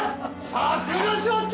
さすが署長！